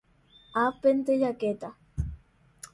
ápente jakéta